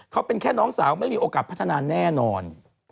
เขาเป็นแค่น้องสาวไม่มีโอกาสพัฒนาแน่นอน